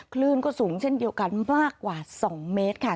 คลื่นก็สูงเช่นเดียวกันมากกว่า๒เมตรค่ะ